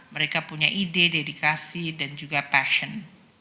mereka punya ide dedikasi dan juga passion